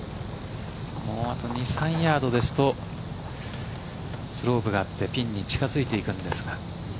もうあと２３ヤードですとスロープがあってピンに近づいていくんですが。